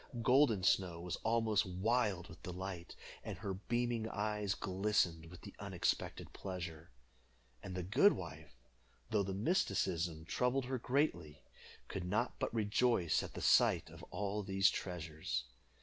Golden Snow was almost wild with delight, and her beaming eyes glistened with the unexpected pleasure. And the good wife, though the mysticism troubled her greatly, could not but rejoice at the sight of all these treasures.